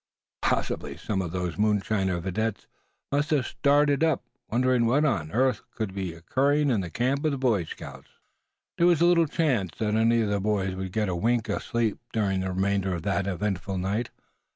Possibly some of those moonshiner videttes must have started up, wondering what on earth could be occurring in the camp of the Boy Scouts. There was little chance that any of the boys would get a wink of sleep during the remainder of that eventful night.